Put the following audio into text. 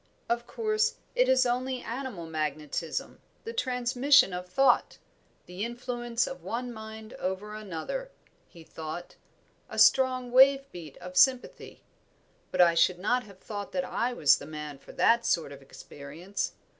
"Of course, it is only animal magnetism the transmission of thought the influence of one mind over another," he thought "a strong wave beat of sympathy. But I should not have thought that I was the man for that sort of experience."